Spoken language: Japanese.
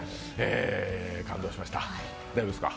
感動しました、大丈夫ですか？